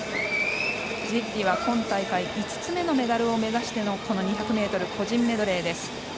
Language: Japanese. ジッリは今大会５つ目のメダルを目指してのこの２００ｍ個人メドレーです。